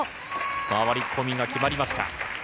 回り込みが決まりました。